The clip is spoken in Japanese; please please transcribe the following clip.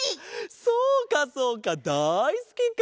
そうかそうかだいすきか！